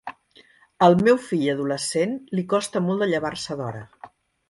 Al meu fill adolescent li costa molt de llevar-se d'hora.